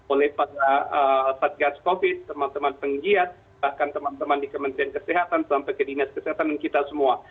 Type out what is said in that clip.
oleh pada saat gas covid sembilan belas teman teman penggiat bahkan teman teman di kementerian kesehatan sampai ke dinas kesehatan dan kita semua